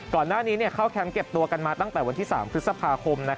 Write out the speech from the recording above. ก่อนหน้านี้เข้าแคมป์เก็บตัวกันมาตั้งแต่วันที่๓พฤษภาคม